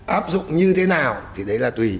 áp dụng như thế nào thì đấy là tùy